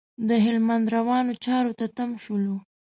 د هلمند روانو چارو ته تم شولو.